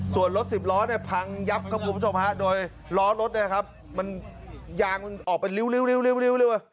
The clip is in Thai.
ส่วนรถสิบล้อพังยับครับคุณผู้ชมโดยล้อรถมันยางออกไปริ้วริ้วริ้ว